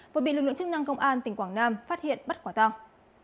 vừa bị lực lượng chức năng công an tỉnh quảng nam phát hiện bắt quả tăng